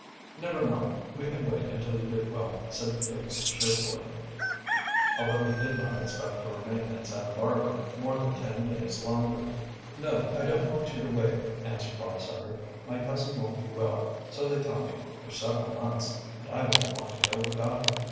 "Never mind, we can wait until you get well," said Dick cheerfully, although he did not expect' to remain at Santa Barbara more than ten days longer. "No, I don't want you to wait," answered Bob Sutter. "My cousin won't be well, so they tell me, for several months, and I won't want to go without her.